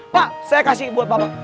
pak saya kasih buat bapak